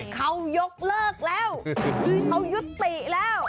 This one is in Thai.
เขายกเลิกแล้วเขายุติแล้ว